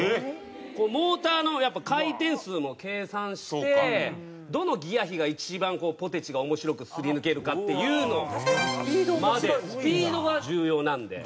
モーターの回転数も計算してどのギア比が一番ポテチが面白くすり抜けるかっていうのまでスピードが重要なんで。